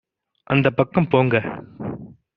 அந்தப் பக்கம் போங்க